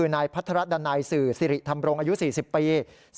นายพัทรดันัยสื่อสิริธรรมรงค์อายุ๔๐ปี